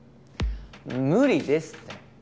無理ですって。